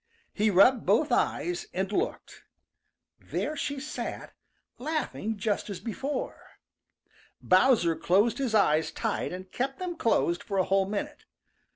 He rubbed both eyes and looked. There she sat, laughing just as before. Bowser closed his eyes tight and kept them closed for a whole minute.